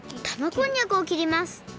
こんにゃくをきります